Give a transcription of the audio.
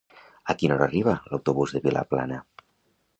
A quina hora arriba l'autobús de Vilaplana?